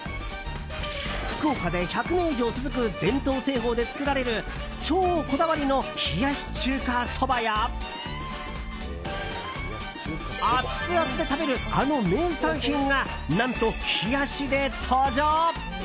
福岡で１００年以上続く伝統製法で作られる超こだわりの冷やし中華そばやアツアツで食べるあの名産品が何と冷やしで登場！